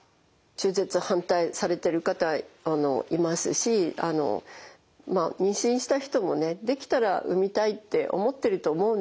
中絶反対されてる方はいますし妊娠した人もねできたら産みたいって思ってると思うんです。